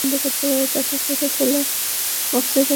তাকে কেটে ফেলে বাক্সে রেখে দে।